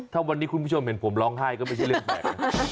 ถ้าวันนี้คุณผู้ชมเห็นผมร้องไห้ก็ไม่ใช่เรื่องแปลก